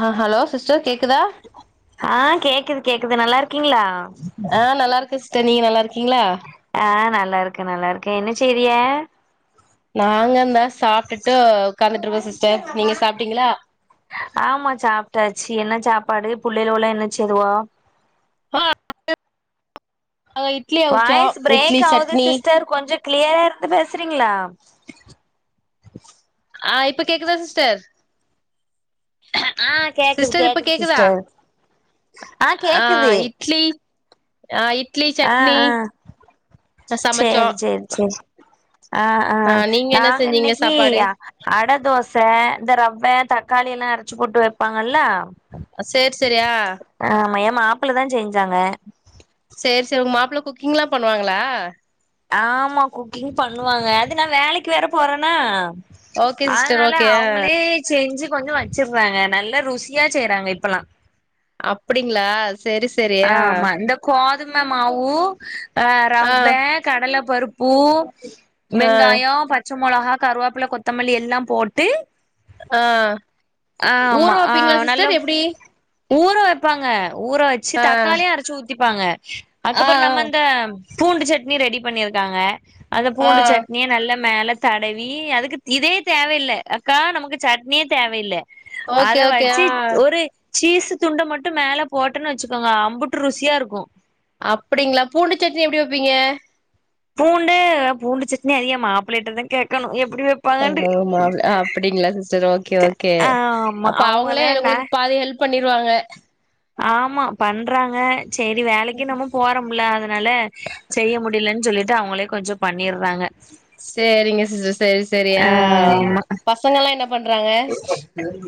ஹ hello sister கேக்குதா? ஆ கேக்குது கேக்குது நல்லா இருக்கீங்களா. ஆ நல்லா இருக்க சிஸ்டர் நீங்க நல்லா இருக்கீங்களா ஆ நல்லா இருக்கேன் நல்லா இருக்கேன் என்ன செய்ரிக நாங்கந்தா சாப்ட்டுட்டு உக்காந்துட்டு இருக்கோ சிஸ்டர் நீங்க சாப்ட்டீங்களா ஆமா சாப்ட்டாச்சு என்ன சப்பாடு புள்ளைலோலா என்ன செய்துவோ ஆ அத இப் வாய்ஸ் பிரேக் ஆவுது சிஸ்டர் கொஞ்ச கிளியரா இருந்து பேசுறீங்களா ஆ இப்ப கேக்குதா சிஸ்டர். ஆ கேக்குது சிஸ்டர் இப்ப கேக்குது கேக்குதா சிஸ்டர் ஆ இட்லி அ இட்லி சட்னி சமைச்சோ செரி செரி செரி ஆ ஆ நீங்க என்ன நாங்க செஞ்சீங்க இன்னைக்கி சாப்பாடு அட தோச இந்த ரவ்வ தக்காளி எல்லா அரச்சு போட்டு வைப்பாங்கல்ல அ செரி செரியா ஆமா ஏ மாப்பிள தா செஞ்சாங்க. செரி செரி உங்க மாப்பிள்ள குக்கிங்ல்லா பண்ணுவாங்களா! ஆமா குக்கிங் பண்ணுவாங்க அது நா வேலக்கு வேற போறேன்னா. ஓகே சிஸ்டர் அதனால ஓகே ஆ அவுங்களே செஞ்சு கொஞ்சோ வச்சடுறாங்க நல்லா ருசியா செய்யறாங்க இப்பல்லா அப்டிங்களா செரி ஆமா இந்த கோதும மாவு ஆ ரவ்வே ஆ கடல பருப்பு ஆ வெங்காயோ பச் சமெளகா, கருவோப்பில, கொத்தமல்லி எல்லா போட்டு ஆ ஊற ஆமா ஆ வப்பீங்களா நல்ல சிஸ்டர் எப்டி ஊற வைப்பாங்க ஊற வச்சு ஆ தக்காளியு அரைச்சு ஊத்திப்பாங்க ஆ அதுக்கப்பறோ நம்ம இந்த பூண்டு சட்னி ரெடி பண்ணியிருக்காங்க அந்த ஆ பூண்டு சட்னிய நல்ல மேல தடவி அதுக்கு இதே தேவயில்ல அக்கா நமக்கு சட்னியே தேவயில்ல. அத ஓகே ஓகே வச்சு ஆ ஒரு சீஸ்ஸு துண்ட மட்டு மேல போட்டேன்னு வச்சுக்கோங்க அம்புட்டு ருசியா இருக்கு அப்டிங்களா பூண்டு சட்னி எப்டி வைப்பீங்க? பூண்டு பூண்டு சட்னி அத என் மாப்பிளைட்ட தான் கேட்கணும் எப்டி வப் பாரு மா‌ப் அப்டிங்களா சிஸ்டர் ஓகே ஓகே ஆமா அப்ப அவுங்களே அவங்கதான் நா உங்களுக்கு பாதி ஹெல்ப் பண்ணிருவாங்க. ஆமா பண்றாங்க சேரி வேலைக்கு நம்ம போறமுல அதனால செய்ய முடியலன்னு சொல்லிட்டு அவங்களே கொஞ்சம் பண்ணிடுறாங்க. சேரிங்க சிஸ்டர் சேரி சேரி ஆ ஆமா பசங்கல்லாம் என்ன பண்றாங்க?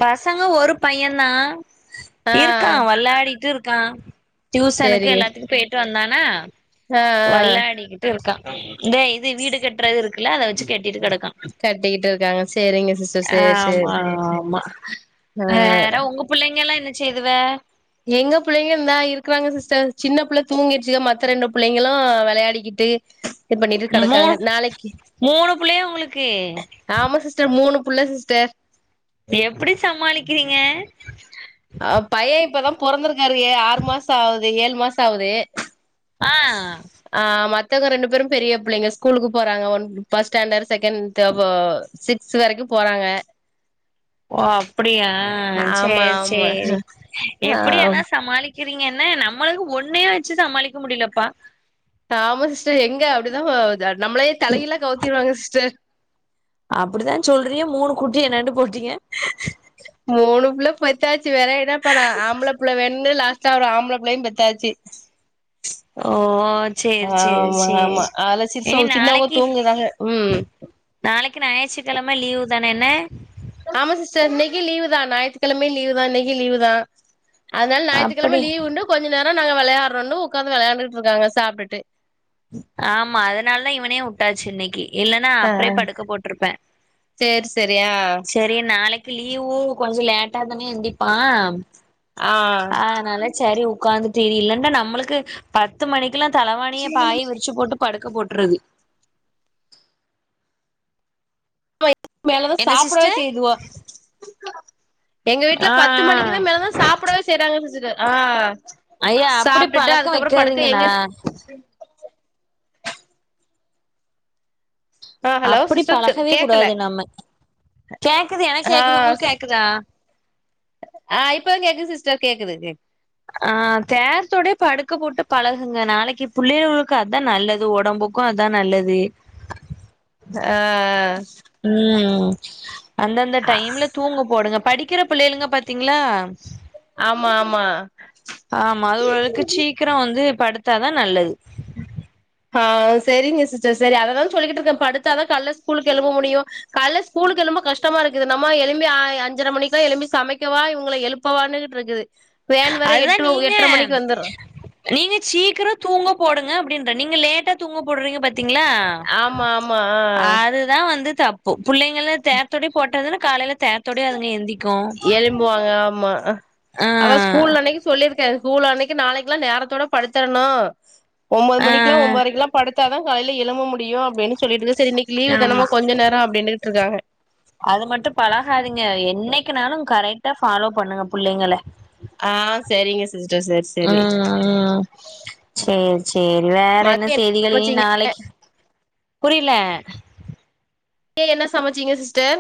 பசங்க ஒரு பையன் தான் ஆ இருக்கான் வள்ளாடிட்டு இர்க்கான் டியூசனுக்கு சேரிங்க எல்லாத்துக்கும் பெய்ட்டு வந்தானா ஆ ஆ வள்ளாடிக்கிட் ட்டு இருக்கா இந்த இது வீடு கட்றதுக இருக்குல்ல அத வச்சு கட் கட்டிக்கிட்டு இருக்காங்க சேரிங்க சிஸ்டர் சேரி சேரி ஆமா ஆமா ஆ ஆ வேற உங்க புள்ளைங்கலாம் என்ன செய்துவ எங்க பிள்ளைங்க தான் இருக்ராங்க சிஸ்டர் சின்ன புள்ள தூங்கிருச்சு மத்த ரெண்டு பிள்ளைங்களும் விளையாடிக்கிட்டு டே அங்களா மூணு புள்ளையா உங்ளுக்கு ஆமா சிஸ்டர் மூணு புள்ள சிஸ்டர் எப்டி சமாளிக்கிறீங்க அ பையன் இப்பதான் பொறந்துருக்காரு ஏ ஆறு மாசோ ஆவூது ஏழு மாசோ ஆவுது ஆ ஆ மத்தவங்க ரெண்டு பேரும் பெரிய புள்ளைங்க ஸ்கூலுக்கு போறாங்க ஒன் பஸ்ட் ஸ்டேன்டர்ட் செகண்ட் தா ப சிக்ஸ் வரைக்கும் போறாங்க ஓ அப்டியா ஆமா சேரி ஆமா சேரி ஆ எப்டி ஆனா சமாளிக் கிறீங்க என்ன நம்மளும் ஒன்னையே வச்சு சமாளிக்க முடியலப் பா ஆமா சிஸ்டர் எங்க அப்டிதான் நம்மளே தலைகீல்லா கவுத்திடுவாங்க சிஸ்டர். அப்டித்தான் சொல்றீங்க மூணு குட்டி என்னண்டு போட்டீங்க. மூணு புள்ள பெத்தாச்சு வேற என்ன பண்ணா ஆம்பள புள்ள வென்னுன்னு லாஸ்ட் ட்டா ஒரு ஆம்பள பிள்ளையும் பெத்தாச்சு. ஓ சேரி சேரி ஆமா சேரி ஆமா அதலா இனி சிருச சின்னவங்க நாளைக்கு தூங்குறாங்க. ம் நாளைக்கு ஞாயிற்றுக்கிழமை லீவு தானே என்ன? ஆமா சிஸ்டர் இன்னிக்கு லீவு தான் ஞாற்றுக்கிழமையு லீவு தான் இன்னிக்கு லீவு தான். அதனால ஞாற்றுக்கிழமை அப்படி லீ்வுன்டு கொஞ்சோ நேரோ நாங்க விளையாறோன்னு உட்கந்து விளையாண்டுட்டு இருக்காங்க சாப்டுட்டு. ஆமா அதனால இவனையும் வுட்டாச்சி இன்னிக்கி இல்லன்னா ஆ அப்றே படுக்க போட்ருப்பேன் சேரி சேரி ஆ செரி நாளைக்கி லீவூ கொஞ்சோ லேட்டாதானே எந்திப்பான் ஆ ஆநாள சரி உக்காந்துட்டு இரி இல்லன்டா நம்ளுக்கு பத்து மணிக்கில்லாம் தலவாணிய பாயி விரி ச்சு போட்டு படுக்க போட்றது பத்து மணிக்கு மேலதான் என்ன சாப்புடவே சிஸ்டர் செய்துவோ எங்க வீட்ல ஆ பத்து மணிக்கு தான் மேலதான் சாப்புடவே செய்றாங்க சிஸ்டர் ஆ ஐயா அப்படி சாப்ட்டுட்டு பழக்க அதுக்கப்றம் படுக்க எங்க வைக்காதீங்கண்ணா ஆ ஹலோ அப்டி சிஸ்டர் பளஹவே கேக்கல கூடாது நம்ம கேக்குது எனக் ஆ கேக்குது உங்ளுக்கு கேக்குதா ஆ இப்ப கேக்குது சிஸ்டர் கேக்குது கேக் ஆ நேரத்தோடே படுக்க போட்டு பளஹுங்க நாளைக்கி புள்ளைவோளுக்கு அதான் நல்லது ஒடம்புக் கு அதான் நல்லது ஆ ஆ ம் ம் அந்த அந்த டைம்ல தூங்க போடுங்க படிக்கிற புள்ளைளுங்க பாத்தீங்ளா ஆமா ஆமா ஆமா அதுவொழுக்கு சீக்கிர வந்து படுத்தா தா நல்லது ஆ செரிங்க சிஸ்டர் சரி அததா சொல்லிக்கிட்டு இருக்கே படுத்தா தா கால்ல ஸ்கூலுக்கு எழும்ப முடியு கால்ல ஸ்கூலுக்கு எழும்ப கஷ்டமா இருக்குது நம்ம எழும்பி அ அஞ்சர மணிக்கலா எழும்பி சமைக்கவா இவுங்கள எழுப் இப்போ வந்துகிட்டு இருக்குது வேன் வர அதுதா எட்டு எட்ர நீங்க மணிக்கு வந்துரு நீங்க சீக்கிரம் தூங்க போடுங்க அப்டின்றே நீங்க லேட்டா தூங்க போடுறீங்க பாத்தீங்ளா ஆமா ஆமா ஆ அதுதா வந்து தப்பு புள்ளைங்கல தேர்தோடயே போட்டதான்னே காலேல தேர் தொடயு அதுங்க எந்திக்கோ எழும்பு வாங்க ஆமா அதா ஸ்கூல் அன்னைக்கி சொல்லிருக்க ஸ்கூல் அன்னைக்கு நாளைக்குல்லா நேரத்தோட படுத்தர்ணோ ஒம்பது ஆ மணிக்குலா ஒம்பதரைக்குலா படுத்தாதா காலில எழும்ப முடியு அப்டின்னு சொல்லிட்டு சரி இன்னிக்கு லீ்வூ ஆமா தானமா கொஞ்ச நேரம் அப்டின்ட்டு இருக்காங்க அது மட்டும் பழகாதீங்க என்னைக்குனாலு கரெக்டா ஃபாலோ பண்ணுங்க புள்ளைங்கள ஆ செரிங்க சிஸ்டர் சேர் சே ஆ ஆ சேரி சேரி வேற என்ன மதிய செய்திகள் இனி சமச்சீங்க நாளைக்கி புரியில ஏ என்ன சமச்சீங்க சிஸ்டர்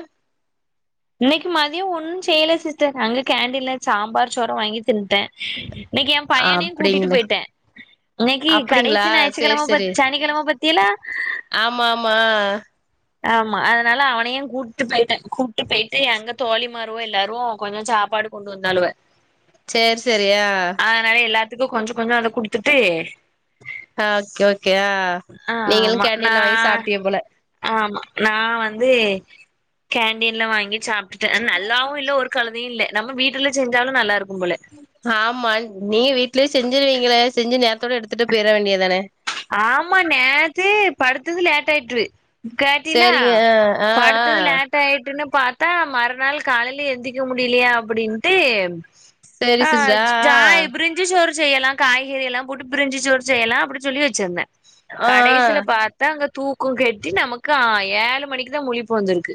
இன்னைக்கு மத்தியம் ஒன்னும் செய்யல சிஸ்டர் அங்க கேண்டின்ல சாம்பார் சோரு வாங்கி தின்னுட்டே இன்னைக்கு எ பையனையு கூட்டிட்டு அப்டிங்கள போயிட்டே இன்னக்கி அப்டிங்களா கடேசி சேரி ஞாயிற்றுக்கெழம சேரி பாத் சனிக்கெழம பாத்திகளா ஆமா ஆமா ஆமா அதனால அவனையு கூட்டு போய்ட்டே ட்டு போய்ட்டு அங்க தோழி மாறுக எல்லாரு கொஞ்ச சாப்பாடு கொண்டு வந்தாலுவ சேரி சேரி அ அதனால எல்லாத்துக்கு கொஞ்ச கொஞ்ச அத குடுத்துட்டு அ ஓகே ஓகே அ நீங்களு ஆமா நா கேண்டின்ல வாங்கி சாப்ட்டீக போல ஆமா நா வந்து கேண்டீன்ல வாங்கி சாப்ட்டுட்டே நல்லாவு இல்ல ஒரு கழதையு இல்ல நம்ம வீட்டுல செஞ்சாலு நல்லா இருக்கும் போல ஆமா நீங்க வீட்லயே செஞ்சிருவீங்களே செஞ்சு நேரத்தோட எடுத்துட்டு போயிட வேண்டியதானே ஆமா நேத்தே படுத்தது லேட் ஆயிட்று கேட்டிலா சேரிங்க ஆ ஆ படுத்தது லேட் லேட் ஆயிட்டுன்னு பாத்தா மறுநாள் காலைல்லே எந்திக்க முடியலையா அப்டின்ட்டூ சேரி ஆ சிஸ்டர் ஜா எப்ரின் சுடு சோறு செய்யலா காய்கறி எல்லா போட்டு பிரிஞ்சி சோறு செய்யலா அப்டி சொல்லி வெச்சிருந்தே ஆ ஆ கடைசியில பாத் தா அங்க தூக்க கெட்டு நமக்கு ஆ ஏழு மணிக்கு தா முழிப்பு வந்திருக்கு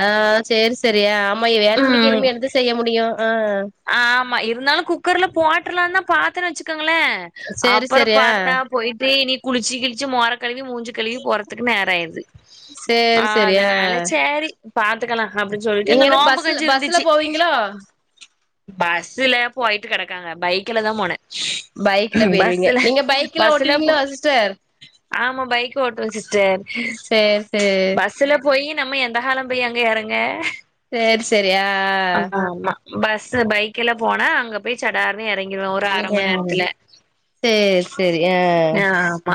ஆ சேரி சேரியா ஆம்மா ஏழ்மணிக்கு ம் எழும்பி என்த்த செய்ய முடியு ஆ ஆமா இருந்தாலு குக்கர்ல போட்ரலாந்தா பாத்துன்னு வச்சுக்கோங்களே சேரி அப்புற சேரி ஆ பாத்தா போயிட்டு இனி குளிச்சு கிளிச்சு மோர கழுவி மூஞ்சி கழுவி போறதுக்கு நேர ஆயிருது சேரி சேரி ஆ அதனால சேரி பாத்துக்கலா அப்டின்னு சொல்லிட்டு நீங்க இந்த என்ன நோம்பு பஸ்ல கஞ்சி பஸ்ல இருந்துச்சு போவீங்களோ பஸ்ஸுல போயிட்டு கெடக்காக பைக்ல தா போனே பைக்ல போயிருவீங்க பஸ்ல நீங்க பைக்லா பஸ்ல போ ஓட்டுவீங்களா சிஸ்டர் ஆமா பைக் ஓட்டுவே சிஸ்டர் உம் பஸ்ஸூல போயி நம்ம எந்த காலம் போய் அங்க எறங்க சேரி சேரி ஆ ஆ பஸ்ஸு பைக்கிலா போனா அங்க போய் சடார்னு இறங்கிடுவே ஒரு அரை ஆ மணி நேரத்துல சேரி சேரி ஆ ஹ் ஆமா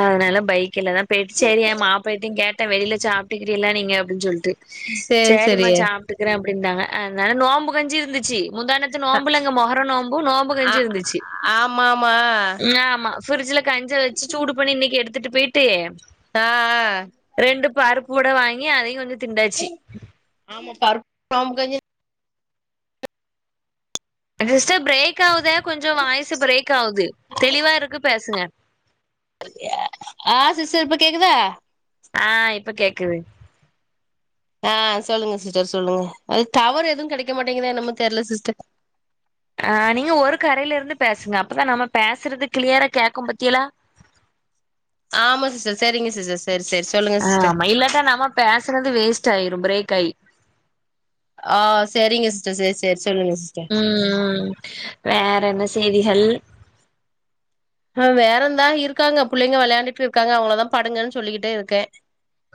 அதனால பைக்ல்லதா போயிட்டு சரியென் மாப்ளயிட்டு கேட்டே வெளியில சாப்பிட்டுக்கிறியளா நீங்க அப்டின் சொல்ட்டு சேரி சேரி சரிம்மா சாப்புட்டுக்குறே அப்டின்டாங் அதனால நோம்பு கஞ்சி இருந்துச்சி முந்தாநேத்து நோன்ம்புலங்க மொகரோ நோன்ம்பு நோன்ம்பு ஆ கஞ்சி இருந்துச்சி ஆமா ஆமா ம் ஆமா பிரிட்ஜ்ல கஞ்சி வச்சு சூடு பண்ணி இன்னைக்கு எடுத்துட்டு போயிட்டு ஆ ஹ ரெண்டு பருப்பு வட வாங்கி அதையும் கொஞ்சம் திண்டாச்சி ஆமா பருப்பு நோம்பு காஞ்சு சிஸ்டர் பிரேக் ஆவுது கொஞ்சம் வாய்ஸ்ஸு பிரேக் ஆவுது தெளிவா இருக்கு பேசுங்க ஆஹ் சிஸ்டர் இப்ப கேக்குதா ஆஹ் இப்ப கேக்குது ஆஹ் சொல்லுங்க சிஸ்டர் சொல்லுங்க அது டவர் எதுவும் கெடைக்க மாட்டேங்குதா என்னமோ தெர்ல சிஸ்டர் ஆஹ் நீங்க ஒரு கரையில இருந்து பேசுங்க அப்தா நம்ம பேசுறது கிளியரா கேக்கு பத்தியலா ஆமா சிஸ்டர் செரிங்க சிஸ்டர் செரி செரி சொல்லுங்க சிஸ்டர் ஆமா இல்லாட்டா நம்ம பேசறது வேஸ்ட் ஆயிரும் பிரேக் ஆயி ஆஹ் சரிங்க சிஸ்டர் செரி செரி சொல்லுங்க சிஸ்டர் ம்ம்ம் வேற என்ன செய்திகள் ஆஹ வேறந்தா இருக்காங்க புள்ளைங்க வெளையாண்டுட்டு இருக்காங்க அவங்களதா படுங்கன் சொல்லிக்கிட்டே இருக்கே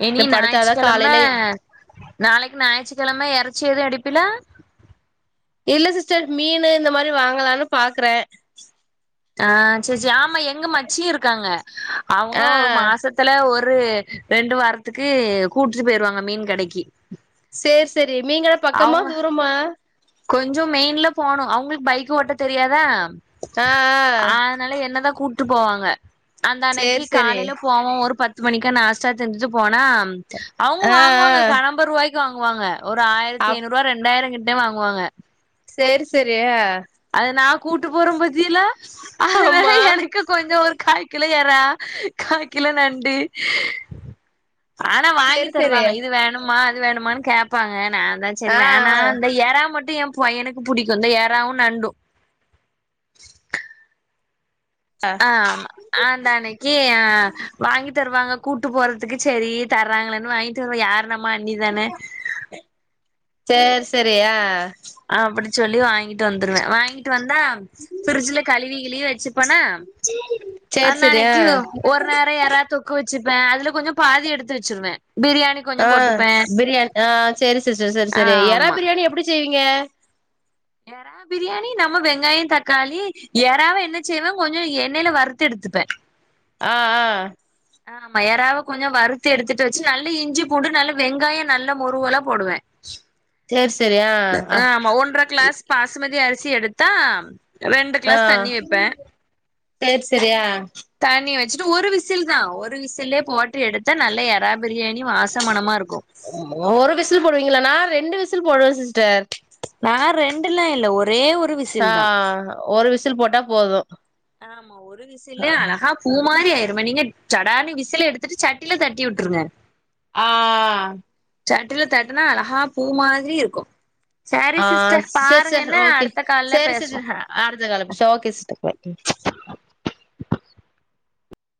இனி இன்னு ஞாயிற்று படுத்தாதா கெலம காலையில நாளைக்கு ஞாயிற்றி கெலம எறச்சி ஏது எடுப்பில இல்ல சிஸ்டர் மீனு இந்த மாரி வாங்கலான்னு பாக்கறே ஆ செர் செரி ஆமா எங்க மச்சி இருக்காங்க அவங்க ஆ ஒர் மாசத் துல ஒரு ரெண்டு வாரத்துக்கு கூட்றுபோயிருவாங்க மீன் கடைக்கி சேர் செரி நீங்கப் அவ்ங்க கொஞ்சமெயின்ல போணு அவங்ளுக்கு பைக் ஓட்ட தெரியாதா ஆ ஆ ஆதனால என்னதா கூட்டு போவாங்க அந்தன்னைக்கி சேரி சேரி காலையில போவோ ஒரு பத் மணிக்கா நாஸ்டா செஞ்சுட்டுபோனா அவங்க ஆ வாங்குவாங்க ஆ கனம்ப ரூவாய்க்கு வாங்குவாங்க ஒரு ஆயிர் அப் த்திஐனூறுவாரெண்டாயிரோ கிட்டே வாங்குவாங்க சேர் செரியா அது நா கூட்டு போற பத்தியலா அதுலதா ஆமா எனக்கு கொஞ்ச ஒரு காய் கிலோ எறா காய் கிலோ நண்டு ஆனா வாங்கி சேரி சேரி தருவாங்க இது வேணுமா அது வேணுமா கேப்பாங்க நாந்தா ஆ செரிவேனா இந்த ஏற மட்டு என் பையனுக்கு புடிக்கும் இந்த ஏறாவு நண்டு ஆ ஆமா ஆந்த அன்னைக்கி ஆ வாங்கி தருவாங்க கூட்டு போறதுக்கு செரி தர்ராங்களேன்னு வாங்கிட்டு வருவ யா நம்ம அண்ணி தானே சேர் செரி ஆ அப்படி சொல்லி வாங்கிட் டு வந்துருவே வாங்கிட்டு வந்தா பிரிரிட்ஜில கழுவி கிழுவி வெச்சுப்பனா சேரி சேரி ஆ அந்தன்னிக்கு ஒரு நேரோ யெரா தொக்கு வச்சுப்பே அதுல கொஞ்சம் பாதி எடுத்து வச்சிருவே பிரியாணிக் ஆஹபிரியாணி ஆ செரி சிஸ்டர் செரி செரி யெறா ஆமா பிரியாணி எப்டி செய்வீங்க யெறா பிரியாணி நம்ம வெங்காய தக்காளி யெறாவ என்ன செய்வே கொஞ்சம் எண்ணெயில வறுத்து எடுத்துப்பே [inaudible] ஆ ஆ ஆ ஆமா யாராவ கொஞ்ச வறுத்து எடுத்துட்டு வச்சு நல்ல இஞ்சி பூண்டு நல்ல வெங்காய நல்ல முருவெலா போடுவே சேர் செரியா ஆ ஆமா ஒன்ற க்ளாஸ் பாசுமதி அரிசி எடுத்தா ரெண்டு ஆ கிளாஸ் தண்ணி வெப்ப சேரி சேரி ஆ தண்ணி வச்சுட்டு ஒரு விசில் தான் ஒரு விசிலே போட்டு எடுத்தா நல்ல எறா பிரியாணி வாச மனமா இருக்கு ஒரு விசில் போடுவீங்களா நா ரெண்டு விசில் போடுவே சிஸ்டர் நா ரெண்டுல்லா இல்ல ஒரே ஒரு வி ஆ ஒரு விசில் போட்டா போது ஆமா ஒரு விசுல்லே அழகா பூமாரி ஆயிருமே நீங்க ஜடானு விசில எடுத்துட்டு சட்டில தட்டி விட்ருங்க ஆ சட்டில தட்டுனா அழகா பூ மாரி இருக்கு செரி ஆ சிஸ்டர் பாருங்க என்ன அடுத்த கால்ல பேசுவோ அடுத்தக்கால சரி ஓகே சிஸ்டர் பாய் ம்